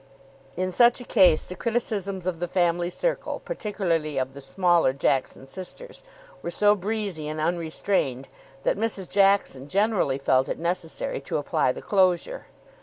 In such a case the criticisms of the family circle, particularly of the smaller Jackson sisters, were so breezy and unrestrained that Mrs. Jackson generally felt it necessary to apply the closure.